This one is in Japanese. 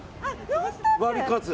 ワリカツ。